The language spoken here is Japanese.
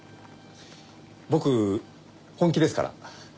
僕本気ですから。